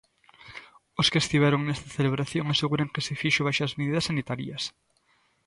Os que estiveron nesta celebración aseguran que se fixo baixo as medidas sanitarias.